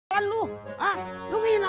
kau lu lu nginep gua